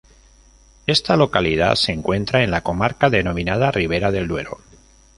Esta localidad se encuentra en la comarca denominada Ribera del Duero.